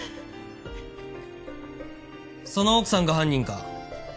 その奥さんが犯人か？